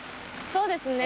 そうですね。